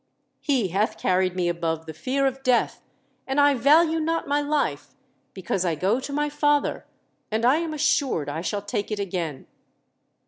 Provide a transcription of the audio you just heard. He hath carried me above the fear of death, and I value not my life, because I go to my Father, and I am assured I shall take it again.